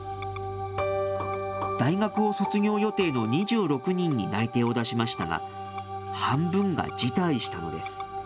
大学を卒業予定の２６人に内定を出しましたが、半分が辞退したのです。